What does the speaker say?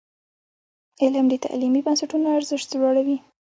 علم د تعلیمي بنسټونو ارزښت لوړوي.